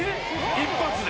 一発で？